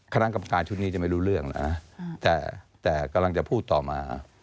คณะกรรมการชุดนี้จะไม่รู้เรื่องนะแต่กำลังจะพูดต่อมา